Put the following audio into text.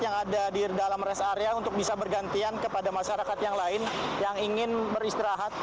yang ada di dalam rest area untuk bisa bergantian kepada masyarakat yang lain yang ingin beristirahat